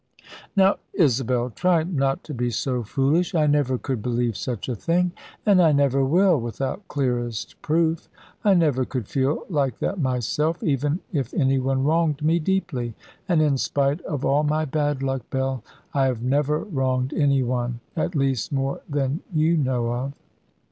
"Now, Isabel, try not to be so foolish. I never could believe such a thing, and I never will, without clearest proof. I never could feel like that myself, even if any one wronged me deeply. And in spite of all my bad luck, Bell, I have never wronged any one. At least more than you know of."